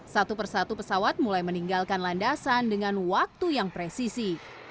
satu persatu pesawat mulai meninggalkan landasan dengan waktu yang presisi